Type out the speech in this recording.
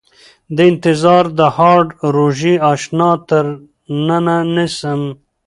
د انتظار د هاړ روژې اشنا تر ننه نيسم